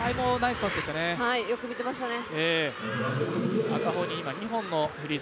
よく見てましたね。